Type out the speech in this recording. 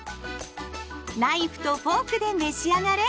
ナイフとフォークで召し上がれ！